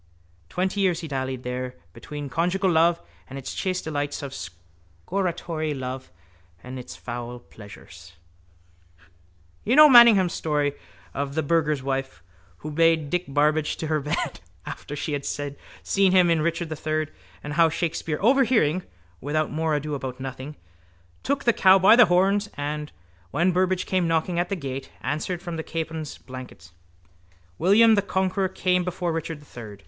Twenty years he dallied there between conjugial love and its chaste delights and scortatory love and its foul pleasures. You know Manningham's story of the burgher's wife who bade Dick Burbage to her bed after she had seen him in Richard III and how Shakespeare, overhearing, without more ado about nothing, took the cow by the horns and, when Burbage came knocking at the gate, answered from the capon's blankets: William the conqueror came before Richard III.